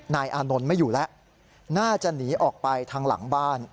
นายอานนท์ไม่อยู่แล้วน่าจะหนีออกไปทางหลังบ้าน